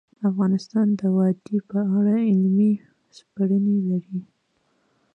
افغانستان د وادي په اړه علمي څېړنې لري.